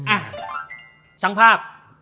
อ่ะช่างภาพ